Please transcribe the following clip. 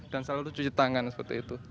dan selalu cuci tangan seperti itu